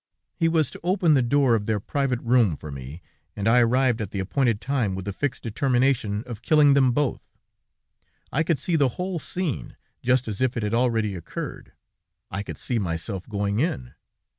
"He was to open the door of their private room for me and I arrived at the appointed time, with the fixed determination of killing them both. I could see the whole scene, just as if it had already occurred! I could see myself going in.